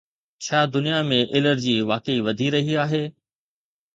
ڇا دنيا ۾ الرجي واقعي وڌي رهي آهي؟